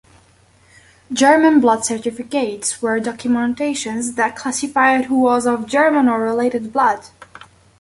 German Blood Certificates were documentations that classified who was of "German or related blood".